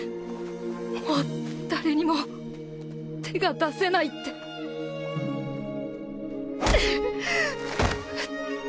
もう誰にも手が出せないってうっ。